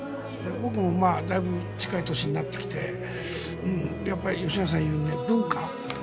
僕もだいぶ近い年になってやはり吉永さんが言うように文化。